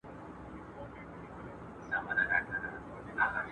¬ لوټه ايږدي پښه پر ايږدي.